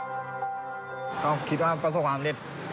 ก็เป็นความสำเร็จหน่อยนะครับผมว่าพอดีว่าจับหูก็มาเป็นประสบความสำเร็จนะครับ